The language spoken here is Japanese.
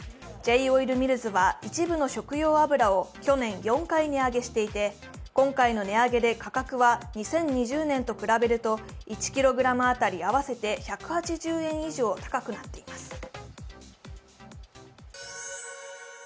Ｊ−オイルミルズは一部の食用油を去年４回値上げしていて今回の値上げで価格は２０２０年と比べると１ｋｇ当たり合わせて１８０円以上高くなっています。